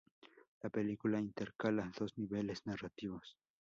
La película intercala dos niveles narrativos.